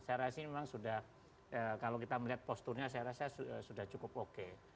saya rasa ini memang sudah kalau kita melihat posturnya saya rasa sudah cukup oke